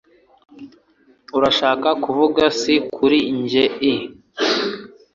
Urashaka kuvuga isi kuri njye I